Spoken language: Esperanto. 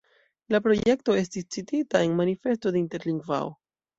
La projekto estis citita en Manifesto de Interlingvao.